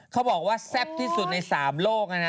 เขาบอกว่าแซ่บที่สุดใน๓โลกนะนะ